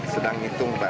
sedang hitung pak